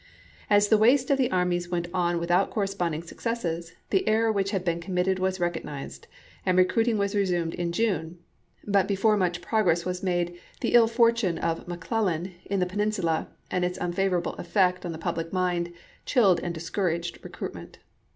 As the waste of the armies went on with Report, ou^ corresponding successes, the error which had MarlSai heen committed was recognized, and recruiting partnL, rp%. was resumed in June; but before much progress THE ENROLLMENT AND THE DRAFT was made the ill fortune of McClellan in the Pen chap.i. insula, and its unfavorable effect on the public mind, chilled and discouraged recruitment.